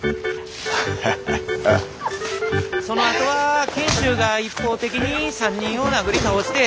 そのあとは賢秀が一方的に３人を殴り倒して。